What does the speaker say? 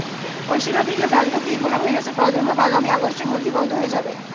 পশ্চিম আফ্রিকায় প্রাণঘাতী ইবোলা ভাইরাসের প্রাদুর্ভাব আগামী আগস্টের মধ্যেই বন্ধ হয়ে যাবে।